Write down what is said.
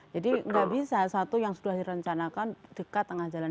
jadi nggak bisa satu yang sudah direncanakan dekat tengah jalan